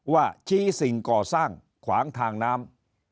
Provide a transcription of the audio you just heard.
ว่าชี้สิ่งก่อสร้างขวางทางน้ำ